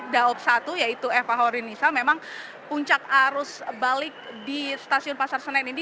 daob satu yaitu eva horinisa memang puncak arus balik di stasiun pasar senen ini